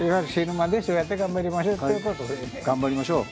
頑張りましょう。